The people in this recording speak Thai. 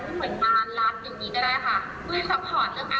พอวันละ๒ครั้งให้อัพภูมิในยาสุทธิ์ภาพได้มีไง